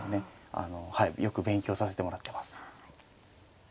あのはいよく勉強させてもらってます。